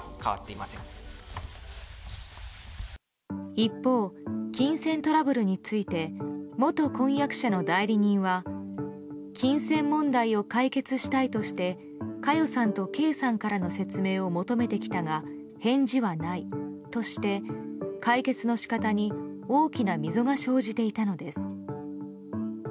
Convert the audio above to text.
一方、金銭トラブルについて元婚約者の代理人は金銭問題を解決したいとして佳代さんと圭さんからの説明を求めてきたが返事はないとして解決の仕方に大きな溝が生じていたのです。